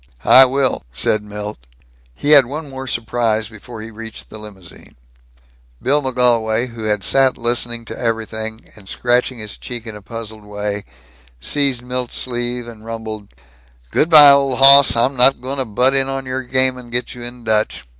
"I will," said Milt. He had one more surprise before he reached the limousine. Bill McGolwey, who had sat listening to everything and scratching his cheek in a puzzled way, seized Milt's sleeve and rumbled: "Good by, old hoss. I'm not going to butt in on your game and get you in Dutch.